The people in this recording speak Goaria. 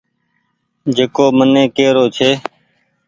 جڪو مين ڪي رو ڇون۔